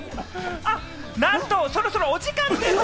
なんとそろそろお時間です。